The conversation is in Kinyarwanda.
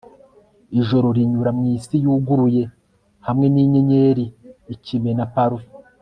Ijoro rinyura mwisi yuguruye hamwe ninyenyeri ikime na parufe